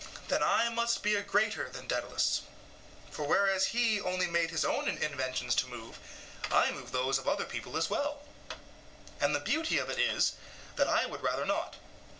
SOCRATES: Then I must be a greater than Daedalus: for whereas he only made his own inventions to move, I move those of other people as well. And the beauty of it is, that I would rather not.